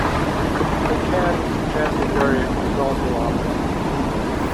A cab chassis variant was also offered.